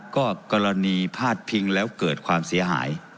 ก็กรณีพาดพิงแล้วเกิดความเสียหาย